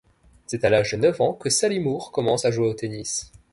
C'est à l'âge de neuf ans que Sally Moore commence à jouer au tennis.